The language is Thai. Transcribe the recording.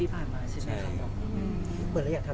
เป็นสูตรินิตะ